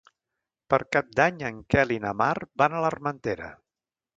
Per Cap d'Any en Quel i na Mar van a l'Armentera.